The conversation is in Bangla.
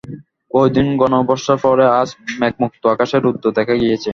বহুদিন ঘন বর্ষার পরে আজ মেঘমুক্ত আকাশে রৌদ্র দেখা দিয়াছে।